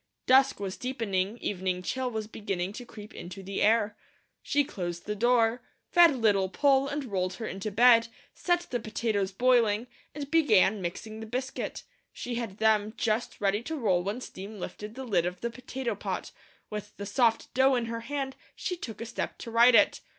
Dusk was deepening, evening chill was beginning to creep into the air. She closed the door, fed Little Poll and rolled her into bed; set the potatoes boiling, and began mixing the biscuit. She had them just ready to roll when steam lifted the lid of the potato pot; with the soft dough in her hand she took a step to right it.